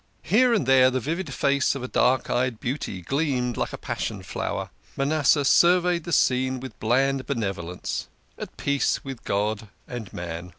Here and there the vivid face of a dark eyed beauty gleamed like a passion flower. Manasseh surveyed the scene with bland benevolence ; at peace with God and man.